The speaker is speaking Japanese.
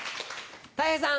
たい平さん。